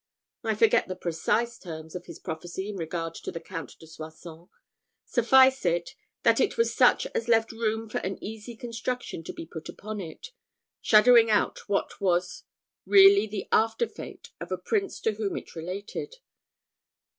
I forget the precise terms of his prophecy in regard to the Count de Soissons; suffice it, that it was such as left room for an easy construction to be put upon it, shadowing out what was really the after fate of the Prince to whom it related.